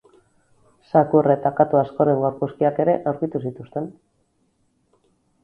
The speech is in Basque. Zakur eta katu askoren gorpuzkiak ere aurkitu zituzten.